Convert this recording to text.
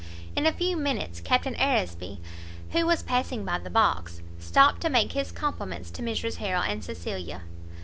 In a few minutes Captain Aresby, who was passing by the box, stopt to make his compliments to Mrs Harrel and Cecilia.